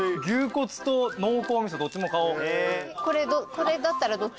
これだったらどっち？